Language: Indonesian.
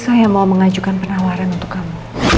saya mau mengajukan penawaran untuk kamu